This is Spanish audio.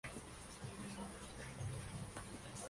Falleció en Baton Rouge.